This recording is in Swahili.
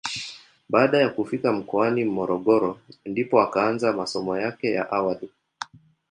Baada ya kufika mkoani Morogoro ndipo akaanza masomo yake ya awali.